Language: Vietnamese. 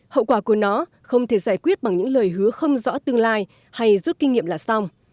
hậu quả của nó không thể giải quyết bằng những lời hứa không rõ tương lai hay rút kinh nghiệm là xong